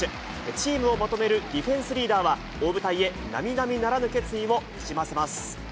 チームをまとめるディフェンスリーダーは、大舞台へ、なみなみならぬ決意をにじませます。